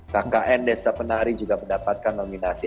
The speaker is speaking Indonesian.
kkn desa penari juga mendapatkan nominasi